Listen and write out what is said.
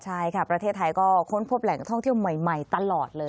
ใช่ค่ะประเทศไทยก็ค้นพบแหล่งท่องเที่ยวใหม่ตลอดเลย